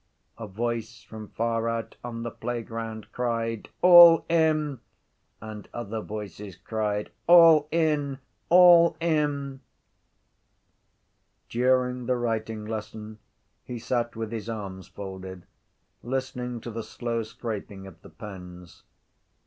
A voice from far out on the playground cried: —All in! And other voices cried: —All in! All in! During the writing lesson he sat with his arms folded, listening to the slow scraping of the pens.